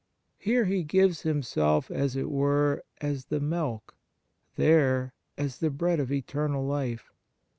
Here He gives Himself, as it were, as the milk, there as the Bread of Eternal Life.